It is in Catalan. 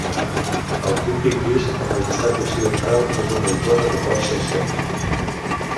El típic Crist en Majestat occidental és una icona de cos sencer.